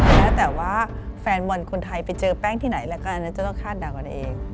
แล้วแต่ว่าแฟนบอลคนไทยไปเจอแป้งที่ไหนแล้วก็อันนั้นจะต้องคาดเดากันเอง